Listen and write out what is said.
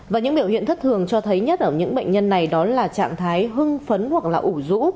và những biểu hiện thất thường cho thấy nhất ở những bệnh nhân này đó là trạng thái hưng phấn hoặc là ủ rũ